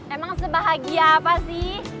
emang sebahagia apa sih